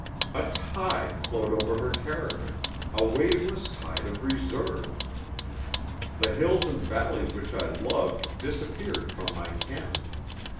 A tide flowed over her character, a waveless tide of reserve. The hills and valleys which I loved disappeared from my ken.